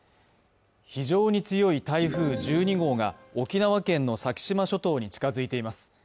非常に強い台風１２号が沖縄県の先島諸島に近づいています。